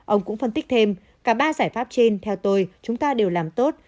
ông cũng phân tích thêm cả ba giải pháp trên theo tôi chúng ta đều làm tốt